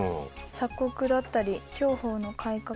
鎖国だったり享保の改革。